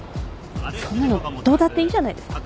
そんなのどうだっていいじゃないですか。